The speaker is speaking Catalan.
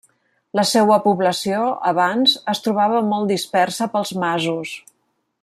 La seua població, abans, es trobava molt dispersa pels masos.